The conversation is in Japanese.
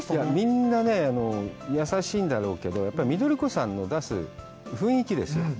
みんなね、優しいんだろうけど、緑子さんの出す雰囲気ですよ。